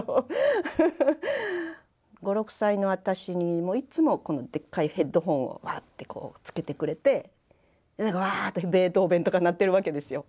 ５６歳の私にもいつもこのでっかいヘッドホンをワッてつけてくれてワーッとベートーベンとか鳴ってるわけですよ。